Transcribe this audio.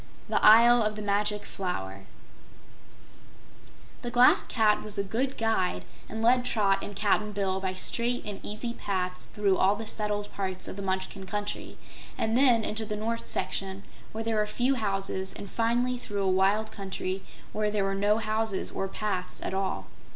9. The Isle of the Magic Flower The Glass Cat was a good guide and led Trot and Cap'n Bill by straight and easy paths through all the settled part of the Munchkin Country, and then into the north section where there were few houses, and finally through a wild country where there were no houses or paths at all.